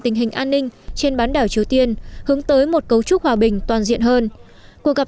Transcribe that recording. tình hình an ninh trên bán đảo triều tiên hướng tới một cấu trúc hòa bình toàn diện hơn cuộc gặp